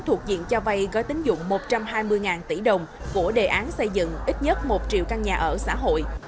thuộc diện cho vay gói tính dụng một trăm hai mươi tỷ đồng của đề án xây dựng ít nhất một triệu căn nhà ở xã hội